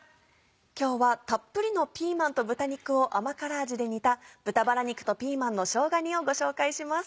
今日はたっぷりのピーマンと豚肉を甘辛味で煮た「豚バラ肉とピーマンのしょうが煮」をご紹介します。